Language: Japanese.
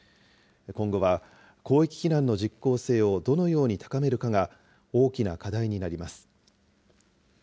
今後は、広域避難の実効性をどのように高めるかが大きな課題になります。